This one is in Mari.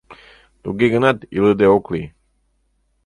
Туге гынат илыде ок лий.